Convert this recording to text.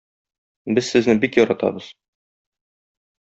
Без сезне бик яратабыз!